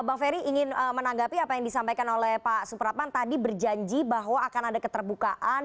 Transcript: bang ferry ingin menanggapi apa yang disampaikan oleh pak supratman tadi berjanji bahwa akan ada keterbukaan